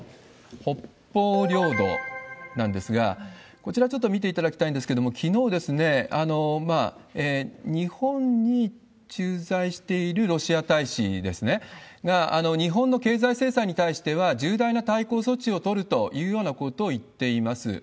北方領土なんですが、こちらちょっと見ていただきたいんですけれども、きのう、日本に駐在しているロシア大使ですが、日本の経済制裁に対しては重大な対抗措置を取るというようなことを言っています。